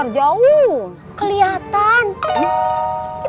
nah tapi dia rayyan